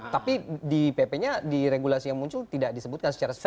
tapi di pp nya di regulasi yang muncul tidak disebutkan secara